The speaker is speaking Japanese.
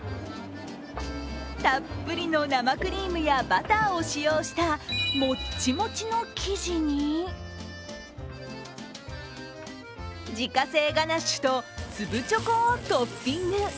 たっぷりの生クリームやバターを使用したもっちもちの生地に、自家製ガナッシュと粒チョコをトッピング。